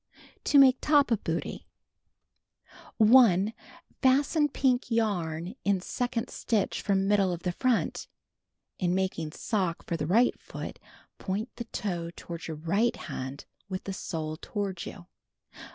To Make Top of Bootee. 1. Fasten pink yarn in second stitch from middle of the front. (In making sock for the right foot, point the toe toward your right hand with the sole toward you.